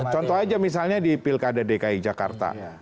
contoh aja misalnya di pilkada dki jakarta